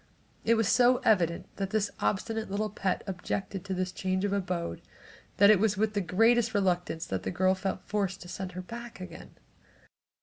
It was so evident that this obstinate little pet objected to this change of abode that it was with the greatest reluctance that the girl felt forced to send her back again.